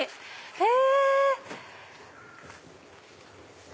へぇ！